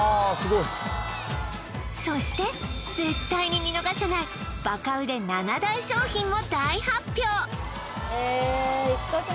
そして絶対に見逃せないバカ売れ７大商品を大発表！